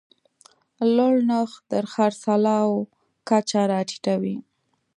لوړ نرخ د خرڅلاو کچه راټیټوي.